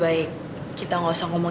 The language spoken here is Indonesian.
boleh tiga kita g esp adalah dua masuk